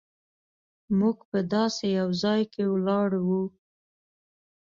موږ په داسې یو ځای کې ولاړ وو.